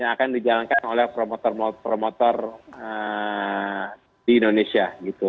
yang akan dijalankan oleh promotor promotor di indonesia